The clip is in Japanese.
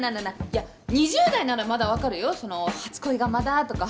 いや２０代ならまだわかるよその初恋がまだとか。